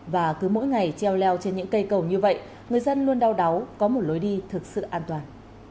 và cứ mỗi ngày treo leo trên những cây cầu như vậy người dân luôn đau đáu có một lối đi thực sự an toàn